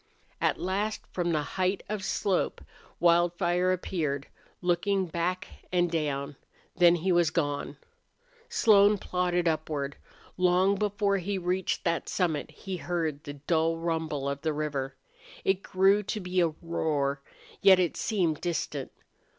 At last from the height of slope Wildfire appeared, looking back and down. Then he was gone. Slone plodded upward. Long before he reached that summit he heard the dull rumble of the river. It grew to be a roar, yet it seemed distant.